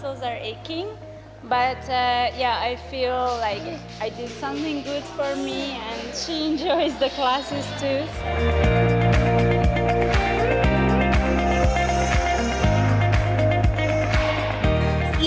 tapi saya merasa saya telah melakukan sesuatu yang bagus untuk diri saya dan dia juga menikmati kelasnya